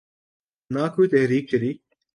نہ کوئی تحریک چلی۔